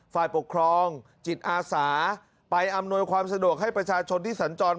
ฝ่ายปกครองจิตอาสาไปอำนวยความสะดวกให้ประชาชนที่สัญจร